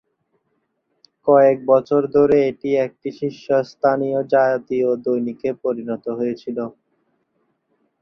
কয়েক বছর ধরে এটি একটি শীর্ষস্থানীয় জাতীয় দৈনিকে পরিণত হয়েছিল।